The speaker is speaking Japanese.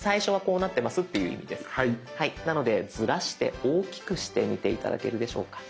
なのでズラして大きくしてみて頂けるでしょうか。